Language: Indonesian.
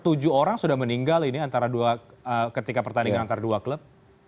tujuh orang sudah meninggal ketika pertandingan antara dua klub